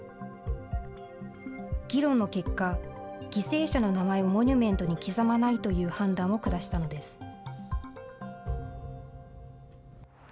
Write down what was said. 議論の結果、犠牲者の名前をモニュメントに刻まないという判断を下したのです。